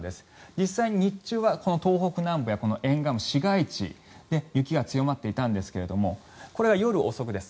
実際に日中は東北南部や沿岸部、市街地雪が強まっていたんですがこれが夜遅くです。